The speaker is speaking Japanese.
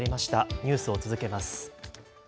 ニュースを続けます。